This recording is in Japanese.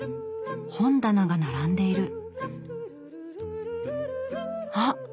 本棚が並んでいるあっ